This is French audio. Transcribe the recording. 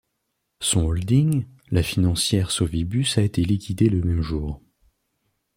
Son holding, la financière Sovibus a été liquidée le même jour.